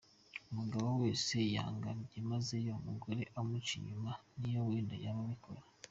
Umugabo wese yanga byimazeyo, umugore umuca inyuma niyo we yaba abikora.